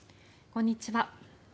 こんにちは。